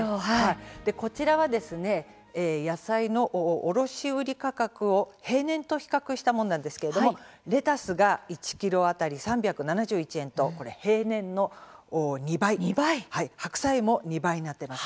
こちらは野菜の卸売価格を平年と比較したものなんですけれどもレタスが１ｋｇ当たり３７１円と平年の２倍、白菜も２倍になっています。